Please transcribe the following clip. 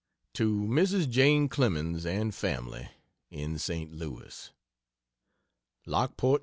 To Mrs. Jane Clemens and family, in St. Louis: LOCKPORT, N.